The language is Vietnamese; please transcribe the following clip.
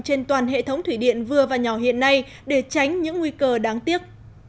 trên toàn hệ thống thủy điện vừa và nhỏ hiện nay để tránh những nguy cơ đáng tiếc